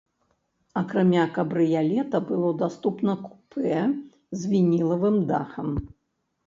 Акрамя кабрыялета, было даступна купэ з вінілавым дахам.